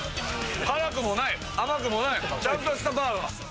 辛くもない、甘くもない、ちゃんとしたバーガー。